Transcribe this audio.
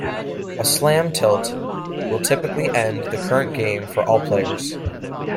A slam tilt will typically end the current game for all players.